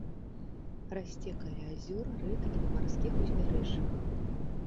Расце каля азёр, рэк і на марскіх узбярэжжах.